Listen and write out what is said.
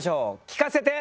聞かせて。